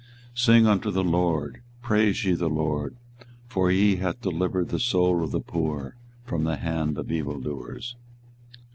24:020:013 Sing unto the LORD, praise ye the LORD: for he hath delivered the soul of the poor from the hand of evildoers.